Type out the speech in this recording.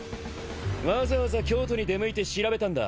わざわざ京都に出向いて調べたんだ。